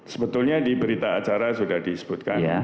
sebetulnya di berita acara sudah disebutkan